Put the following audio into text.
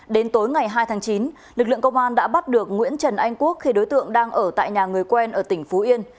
đến tối ngày hai tháng chín lực lượng công an đã bắt được nguyễn trần anh quốc khi đối tượng đang ở tại nhà người quen ở tỉnh phú yên